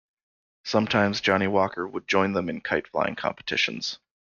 Sometimes Johnny Walker would join them in kite-flying competitions.